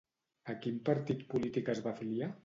A quin partit polític es va afiliar?